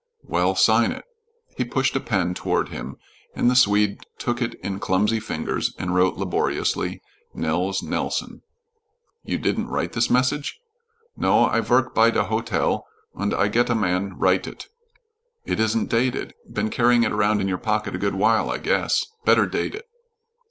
"Well, sign it." He pushed a pen toward him, and the Swede took it in clumsy fingers and wrote laboriously, "Nels Nelson." "You didn't write this message?" "No. I vork by de hotel, und I get a man write it." "It isn't dated. Been carrying it around in your pocket a good while I guess. Better date it."